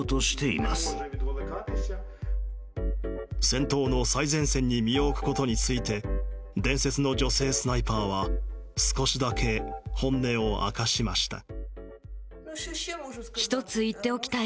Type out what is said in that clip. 戦闘の最前線に身を置くことについて伝説の女性スナイパーは少しだけ本音を明かしました。